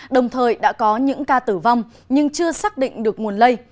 đồng thời đã có những ca tử vong nhưng chưa xác định được nguồn lây